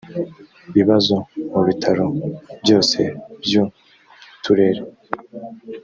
bibazo mu bitaro byose byu uturere